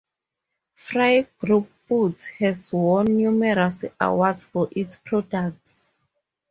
Fry Group Foods has won numerous awards for its products.